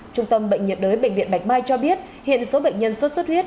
trung tâm bệnh nhiệt đới bệnh viện bạch mai cho biết hiện số bệnh nhân sốt xuất huyết